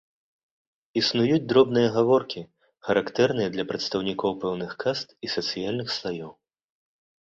Існуюць дробныя гаворкі, характэрныя для прадстаўнікоў пэўных каст і сацыяльных слаёў.